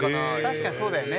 確かにそうだよね。